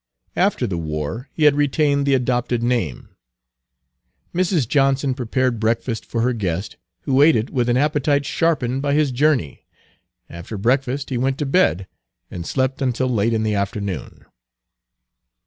After the war he had retained the adopted name. Mrs. Johnson prepared breakfast for her guest, who ate it with an appetite sharpened by his journey. After breakfast he went to bed, and slept until late in the afternoon.